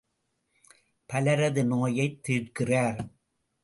பலரது நோயைத் தீர்க்கிறார்.